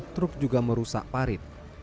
truk juga merusak parit